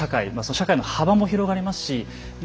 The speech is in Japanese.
社会の幅も広がりますしま